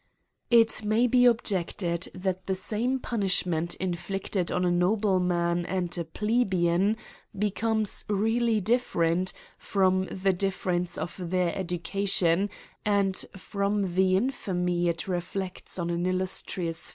It may be objected, that the same punishment inflicted on a nobleman and a plebeian becomes really different from the difference of their educa tion, and from the infamy it reflects on an illustri GRIMES AND PUNISHMENTS.